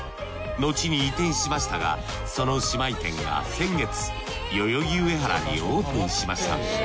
後に移転しましたがその姉妹店が先月代々木上原にオープンしました。